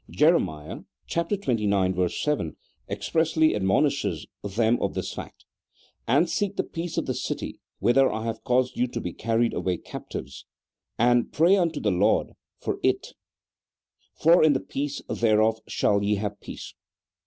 Jeremiah (chap. xxix. verse 7) expressly admo nishes them of this fact: "And seek the peace of the city, whither I have caused you to be carried away captives, and pray unto the Lord for it ; for in the peace thereof shall ye have peace."